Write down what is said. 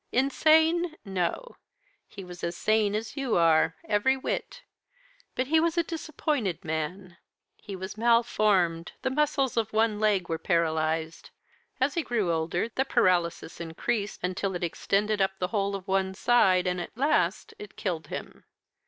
"'Insane? No; he was as sane as you are every whit. But he was a disappointed man. He was malformed the muscles of one leg were paralysed. As he grew older, the paralysis increased, until it extended up the whole of one side, and, at last, it killed him.